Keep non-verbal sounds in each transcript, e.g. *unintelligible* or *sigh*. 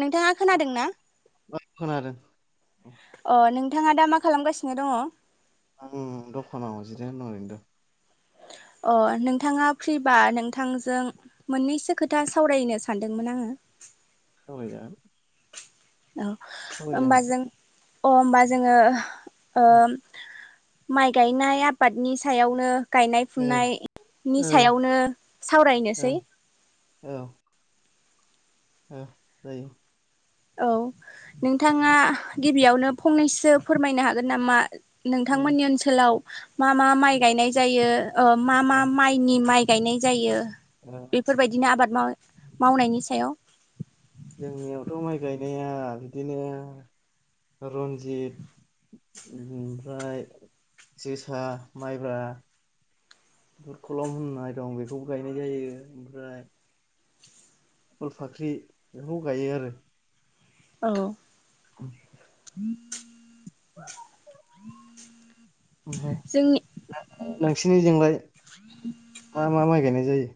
नोंथाङा खोनादों ना औ खोनादों। अ नोंथाङा दा मा खालामगासिनो दङ आं दखानाव जिरायना दं *unintelligible* अ नोंथाङा फ्रिबा नोंथांजों मोननैसो खोथा सावरायनो सानदोंमोन आङो। *inaudible* *unintelligible* औ होमबा सावरायजागोन जों अ होमबा जोङो ओ औ माइ गायनाय आबादनि सायावनो गायनाय औ फुनायनि औ सायावनो सावरायनोसै। औ औ जायो। औ नोंथाङा गिबियावनो फंनैसो फोरमायनो हागोन नामा। उम नोंथांमोननि ओनसोलाव मा मा माइ गायनाय जायो ओ मा मा माइनि माइ गायनाय जायो ओ बेफोरबायदिनो आबाद माव मावनायनि सायाव। जोंनियावथ' माइ गायनाया बिदिनो रन्जित ओमफ्राय जोसा माइब्रा दुरखलम होननाय दं बेखौबो गायनाय जायो ओमफ्राय फुल फाख्रि बेफोरखौ गायो आरो। औ *unintelligible* *inaudible* जोंनि नोंसोरनिजोंलाय मा मा माइ गायनाय जायो।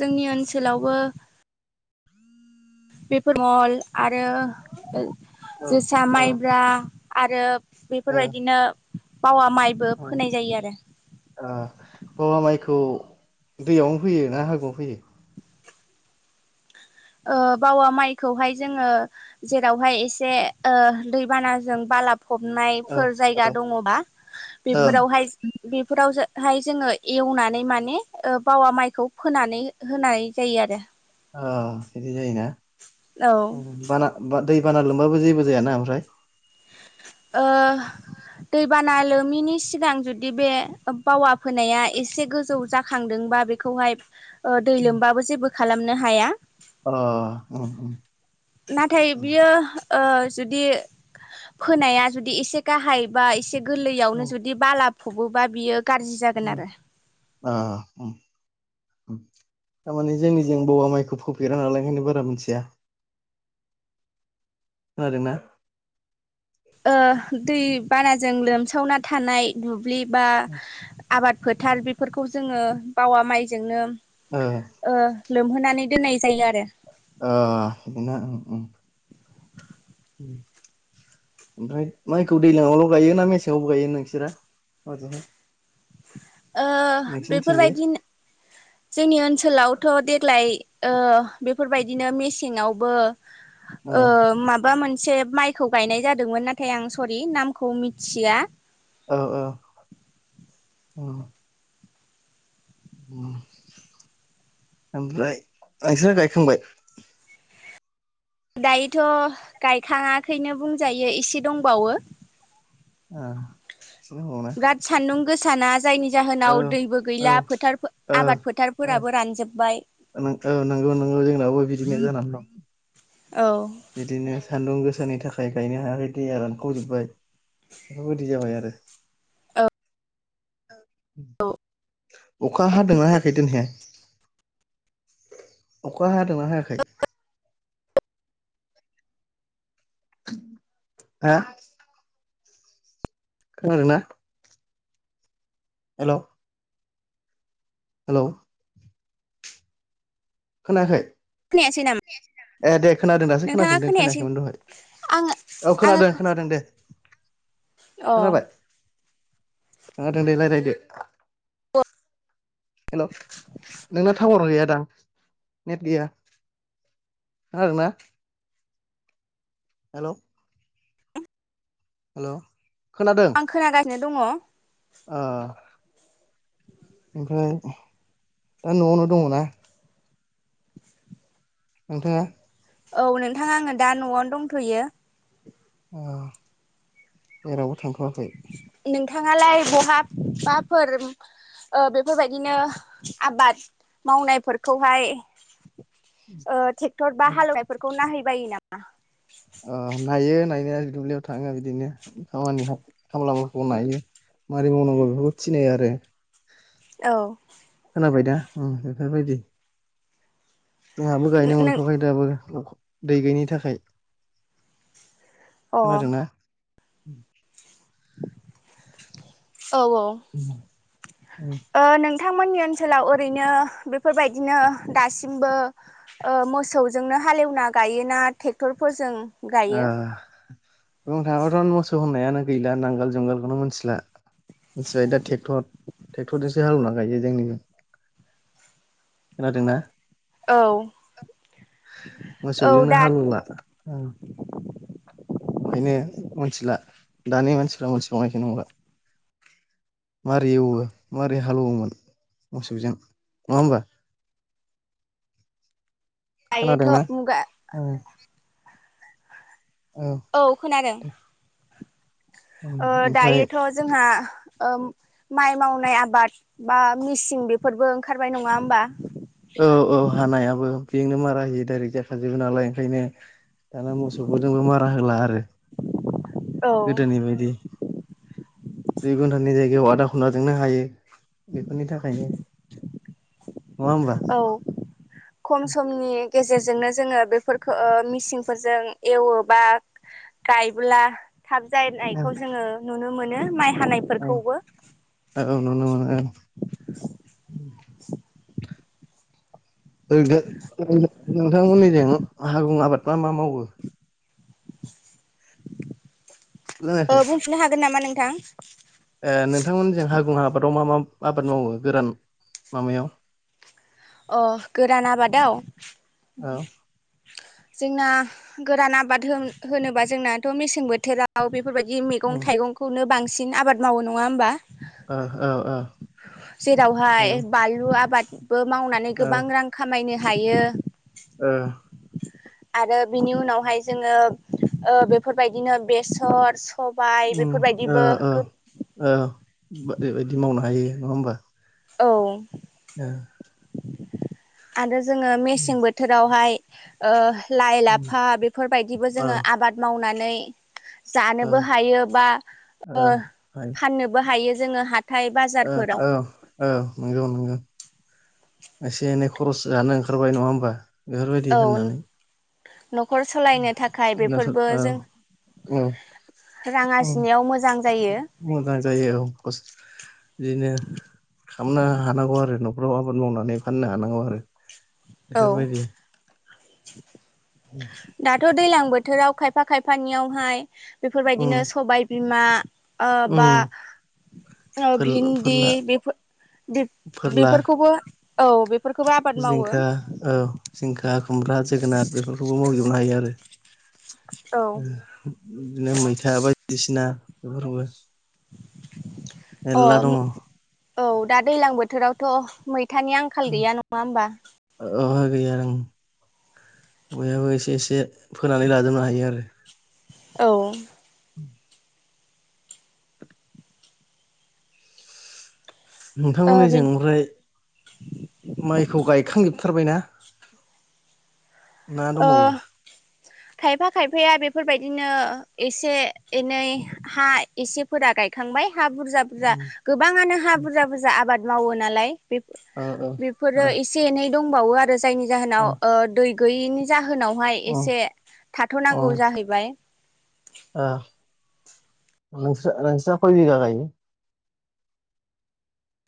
जोंनि ओनसोलावबो बेफोर मल आरो औ जोसा औ माइब्रा आरो औ बेफोरबायदिनो बावा माइबो औ फोनाय जायो आरो। ओ बावा माइखौ दैयावनो फैयो ना हागुआव फैयो। बावा माइखौहाय जोङो जेरावहाय एसे दैबानाजों बालार् ओ फबनायफोर जायगा ओ दङबा ओ बेफोरावहाय बेफोराव। हाय जोङो एवनानै माने बावा माइखौ फोनानै होनाय जायो आरो अ बिदि जायोना औ बाना। दै बाना लोमबाबो जेबो जायाना ओमफ्राय ओ दैबाना लोमैनि सिगां जुदि बे बावा फोनाया एसे गोजौ जाखांदो बा बेखौहाय दै लोमबाबो जेबो खालामनो हाया अ। नाथाय उम बियो जुदि फोनाया जुदि एसे गाहाय बा एसे गोरलैयावनो जुदि बाला फबोबा बियो गाज्रि जागोन उम आरो। अ- थारमाने जोंनि जों बाववा माइखौ फोफेरा नालाय ओंखायनो बारा मिथिया। खोनादोंना दै बानाजों लोमसावना थानाय दुब्लि बा आबाद फोथार बेफोरखौ जोङो बावा माइजोंनो ओ लोमहोनानै दोननाय जायो आरो। बिदिनो। औ। ओमफ्राय माइखौ दैज्लांआवल' गायो ना मेसेंआवबो गायो नोंसोरा हजोंहाय नोंसिनिथिंजाय बेफोरबायदि जोंनि ओनसोलावथ' देग्लाय। बेफोरबायदिनो मेसेंआवबो ओ माबा मोनसे एसे माइखौ गायनाय जादोंमोन नाथाय आं सरि नामखौ मिथिया औ औ। ओमफ्राय नोंस्रा गायखांबाय? दायोथ' गायखाङाखैनो बुंजायो एसे दंबावो। *inaudible* बिराद सान्दुं गोसाना जायनि औ जाहोनाव दैबो गैला फोथार औ आबाद औ फोथारफोराबो रानजोब्बाय औ नंगौ नंगौ जोंनावबो बिदिनो जानानै दं। औ बिदिनो सान्दुं गोसानि थाखाय गायनो हायाखै दैया रानखावजोब्बाय बेफोरबायदि जाबाय आरो अखा हादोंना हायाखै दिनैहाय अखा हादोंङा हायाखै हा खोनादों ना हेल' हेल' खोनायाखै खोनायासै नामा ए दे खोनादों दासो नोंथाङा खोनाफिनदों खोनायासै खोनायाखैमोन दहाय आङो औ खोनादों खोनादों दे औ खोनाबाय खोनादों दे रायलायदो हेल' नोंना टावार गैया दां नेट गैया आरोना हेल' हेल' आं खोनागासिनो दङ अ ओमफ्राय दा न'आवनो दङना नोंथाङा औ नोंथाङा आङो दा न'आवनो दंथ'यो जेरावबो थांथवाखै नोंथाङालाय बहाबाफोर ओ बेफोरबायदिनो आबाद मावनायफोरखौहाय ओ ट्रेक्टर बा ओ हालेवनायफोरखौ नायाहैबायो नामा अ नायो नायनाया दुब्लियाव थाङो बिदिनो खामानि खामलाफोरखौ नायो माबोरै मावनांगौ बेफोरखौ थिनो आरो औ खोनाबाय दा बेफोरबायदि जोंहाबो गायनो नों मोनथ'खबाय दाबो दै गैयिनि थाखाय अ औ खोनादोंना औ औ ओ ओ नों थां मोननि ओनसोलाव ओरैनो बेफोरबायदिनो दासिमबो ओ मोसौजोंनो हालेवना गायोना ट्रेक्टरफोरजों ओ गायो बुनो थाङबाथ' मोसौ होननायानो गैला नांगोल जुंगालखौनो मिथिला मिथिबाय दा ट्रेक्टर ट्रेक्टरजोंसो हालेवना गायो जोंनिजों खोनादोंना औ औ मोसौजोंनो दा हालला ओंखायनो मोनथिला दानि मानसिफ्रा मोनथिबावनायखाय नंला मारै एवो मारोरै हालौवोमोन मोसौजों नङा होमबा दायोथ' खोनादोंना मुगा औ खोनादों ओम ओ ओमफ्राय दायोथ' जोंहा ओ माइ मावनाय आबाद बा मिसिं बेफोरबो ओंखारबाय नङा होमबा औ औ हानायाबो बेजोंनो मारा होयो डाइरेक्ट जाखाजोबो नालाय ओंखायनो दाना मोसौखौ जोंबो मारा होला आरो औ गोदोनि बायदि दुइघन्टा निजायगायाव बादा खना दोंनो हायो बेफोरनि थाखायनो नङा होमबा औ खम समनि गेजेरजोंनो जोङो बेफोरखौ मिसिंफोरजों एवोबा गायब्ला थाब औ जानायखौ जोङो नुनो मोनो माइ हानायफोरखौबो औ नुनो मोनो। *unintelligible* *inaudible* ओइ नोंथां नोंथांमोननि जें हागुं आबाद मा मा मावो खोनायाखै बुंफिनो हागोन नामा नोंथां। नोंथांमोनजों हागुं आबादाव मा मा आबाद मावो गोरान माबायाव अ गोरान आबादाव? औ जोंना गोरान आबाद होनोबा जोंनाथ' मेसें बोथोराव बे बेफोरबायदि मैगं उम थाइगंखौनो बांसिन आबाद मावो नङा होमबा? ओ ओ ओ जेरावहाय नंगौ बानलु आबाद मावनानै ओ गोबां रां खामायनो हायो। ओ आरो बिनि उनावहाय जोङो ओ बेफोरबायदिनो बेसर सबाय उम बेफोरबायदिबो गोब *unintelligible* बायदि मावनो हायो नङा होमबा? औ। ओ। आरो जोङो मेसें बोथोरावहाय ओ लाइ उम लाफा बेफोरबायदिबो ओ जोङो आबाद मावनानै ओ जानोबो हायो बा ओ हायो फाननोबो हायो जोङो हा हाथाय ओ औ बाजारफोराव औ नंगौ नंगौ एसे एनै खरस जानो ओंखारबाय नङा होमबा? बेफोरबायदि औ होननानै न'खर सालायनो थाखाय बेफोरबो औ जों औ रां औ आरजिनायाव मोजां जायो मोजां जायो औ गस बिदिनो खामनो हानांगौ आरो न'फ्राव आबाद मावनानै फाननो हानांगौ आरो औ बेफोरबायदि *inaudible* उम। दाथ' दैलां बोथोराव खायफा खायफानियावहाय उम बेफोरबायदिनो सबायबिमा ओ बा उम औ फोरला भिन्दि फोरला बेफो बे फोरला बेफोरखौबो औ बे जिंखा औ जिंखा खुमब्रा जोगोनार बेफोरखौबो मावजोबनो हायो आरो औ बिदिनो मैथा बायदिसिना बेफोरखौबो अ म‌ औ दा दैलां बोथोरावथ' मै थानि आंखाल गैया नङा होमबा? अहा गैया ओं बयहाबो एसे एसे फोनानै लाजोबनो हायो आरो। औ। ओ बे नोंथांमोननिजों ओमफ्राय माइखौ गायखांजोब थारबायना ना ओ दंबावो? खायफा खायफाया बेफोरबायदिनो एसे एनै हा एसेफोरा गा गायखांबाय हा बुरजा बुरजा उम गोबाङानो हा बुरजा बुरजा आबाद मावो नालाय बेफो ओ ओ ओ बेफोरो अ एसे एनै दंबावो आरो जायनि अ जाहोनाव ओ दै गैयिनि जाहोनावहाय एसे ओ थाथ'नांगौ जाहैबाय। नोंस्रा नोंस्रा खय बिघा गायो?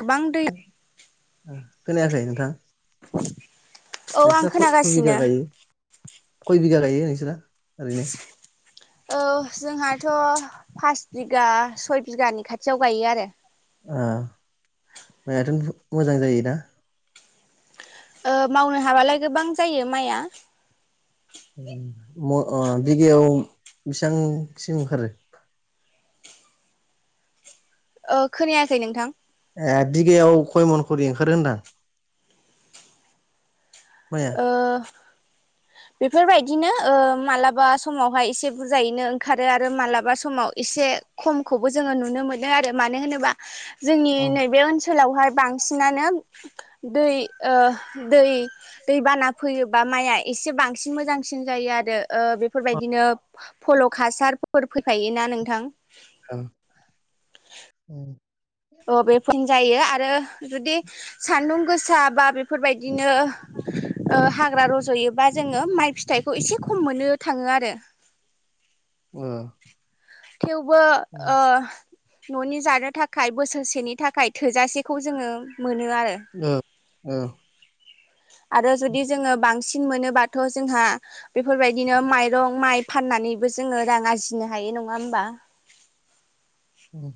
गोबां दै खोनायाखै नोंथां? औ आं नोंस्रा खय खय बिघा खोनागासिनो गायो? खय बिघा गायो नोंस्रा ओरैनो? औ जोंहाथ' पास बिगा सय बिगानि खाथियाव गायो आरो। ओ मायाथ' मोजां जायोना? ओ मावनो हाबालाय गोबां जायो माइआ। म ओ बिगायाव बेसेबांसिम ओंखारो? ओ खोनायाखै नोंथां ए बिगायाव खयमन खरि ओंखारो होनदां *inaudible* ओ *inaudible* बेफोरबायदिनो ओ मालाबा समावहाय इसे बुरजायैनो ओंखारो आरो मालाबा समाव इसे खमखौबो जोङो नुनो मोनो आरो मानो होनोबा जोंनि ओ नैबे ओनस सोलावहाय बांसिनानो दै ओ दै दैबाना फैयोबा माइआ एसे बांसिन मोजांसिन जायो आरो‌ ओ बेफोरबायदिनो फल हासारफोर फैफायोना नोंथां उम *unintelligible* ओ बेफोरनो जायो आरो जुदि सान्दुं गोसा बा बेफोरबायदिनो ओ हाग्रा रज'योबा जोङो माइ फिथाइखौ इसे खम मोननो थाङो आरो अ थेवबो ओ न'नि जानो थाखाय बोसोरसेनि थाखाय थोजासेखौ जोङो मोनो आरो ओ ओ आरो जुदि जोङो बांसिन बांसिन मोनोबाथ' जोंहा बेफोरबायदिनो माइरं माइ फाननानैबो जोङो रां आरजिनो हायो। नङा होमबा? *inaudible* उम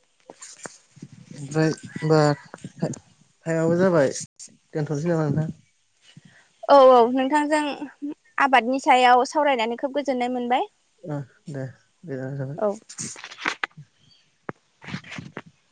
*inaudible* ओमफ्राय होमबा टइ टाइमाबो जाबाय दोनथ'नोसै नामा नोंथां औ औ नोंथांजों आबादनि सायाव सावरायनानै खोब गोजोननाय मोनबाय। ओ दे *unintelligible* औ *inaudible*